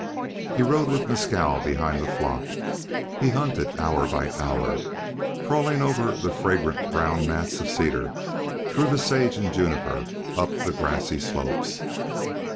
He rode with Mescal behind the flock; he hunted hour by hour, crawling over the fragrant brown mats of cedar, through the sage and juniper, up the grassy slopes.